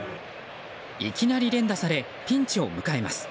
いきなり連打されピンチを迎えます。